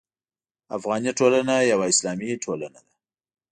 افغاني ټولنه یوه اسلامي ټولنه ده.